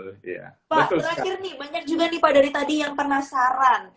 pak terakhir nih banyak juga nih pak dari tadi yang penasaran